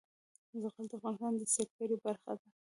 زغال د افغانستان د سیلګرۍ برخه ده.